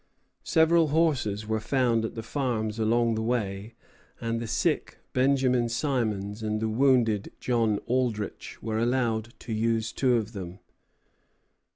Several horses were found at the farms along the way, and the sick Benjamin Simons and the wounded John Aldrich were allowed to use two of them.